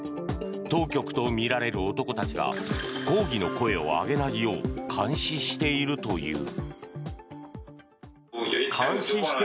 当局とみられる男たちが抗議の声を上げないよう監視しているという。